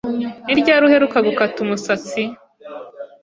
Ni ryari uheruka gukata umusatsi?